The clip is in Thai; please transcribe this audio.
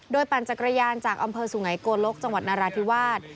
ปั่นจักรยานจากอำเภอสุไงโกลกจังหวัดนราธิวาส